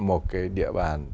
một cái địa bàn